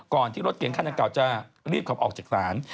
ที่รถเก่งคันดังกล่าวจะรีบขับออกจากศาล